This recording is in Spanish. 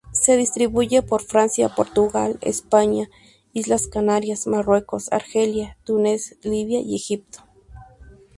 Se distribuye por Francia, Portugal, España, Islas Canarias, Marruecos, Argelia, Túnez, Libia y Egipto.